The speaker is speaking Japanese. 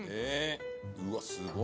うわっすごい。